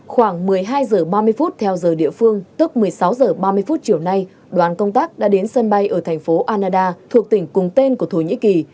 khoảng một mươi hai h ba mươi theo giờ địa phương tức một mươi sáu h ba mươi phút chiều nay đoàn công tác đã đến sân bay ở thành phố anada thuộc tỉnh cùng tên của thổ nhĩ kỳ